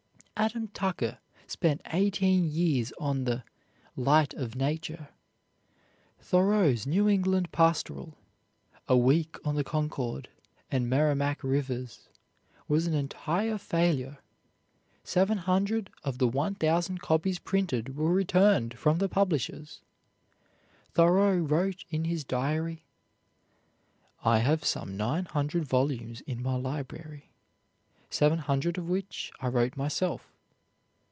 Adam Tucker spent eighteen years on the "Light of Nature." Thoreau's New England pastoral, "A Week on the Concord and Merrimac Rivers," was an entire failure. Seven hundred of the one thousand copies printed were returned from the publishers. Thoreau wrote in his diary: "I have some nine hundred volumes in my library, seven hundred of which I wrote myself."